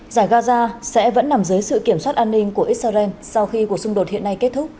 giải gaza sẽ vẫn nằm dưới sự kiểm soát an ninh của israel sau khi cuộc xung đột hiện nay kết thúc